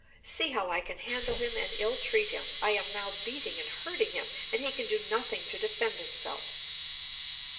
See, how I can handle him and ill treat him. I am now beating and hurting him and he can do nothing to defend himself."